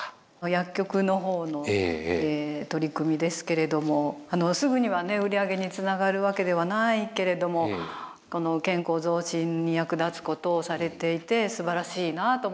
薬局の方の取り組みですけれどもすぐにはね売り上げにつながるわけではないけれども健康増進に役立つことをされていてすばらしいなと思いました。